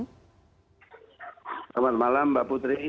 selamat malam mbak putri